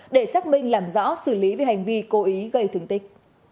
để xác minh làm rõ xử lý về hành vi cố ý gây thương tích